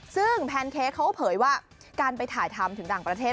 ซึ่งแพนเค้กเขาก็เผยว่าการไปถ่ายทำถึงต่างประเทศ